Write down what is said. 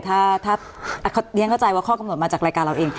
ถ้าเรียนเข้าใจว่าข้อกำหนดมาจากรายการเราเอง